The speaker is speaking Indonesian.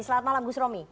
selamat malam gus romi